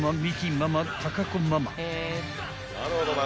ママ貴子ママ］